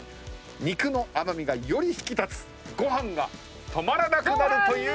肉の甘味がより引き立つご飯が止まらなくなるというメニューです。